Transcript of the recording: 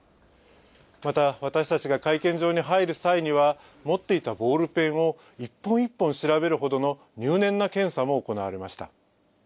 また、私たちが会見場に入る際には、持っていたボールペンを一本一本調べるほどの入念な検査も行われました。